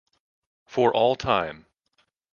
For All Time.